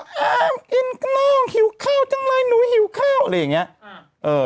อ้าวอิ่งน้องหิวเข้าจังเลยหนูหิวเข้าอะไรอย่างนี้